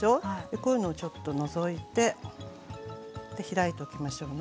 こういうのをちょっと除いて開いておきましょうね。